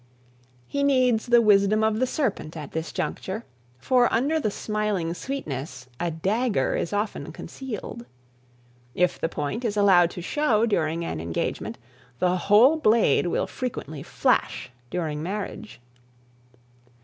He needs the wisdom of the serpent at this juncture, for under the smiling sweetness a dagger is often concealed. If the point is allowed to show during an engagement, the whole blade will frequently flash during marriage.